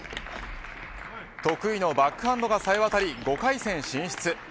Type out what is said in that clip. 得意のバックハンドがさえ渡り５回戦進出。